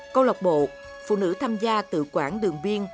câu lọc bộ phụ nữ tham gia tự quản đường biên